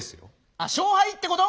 あっ勝敗ってこと？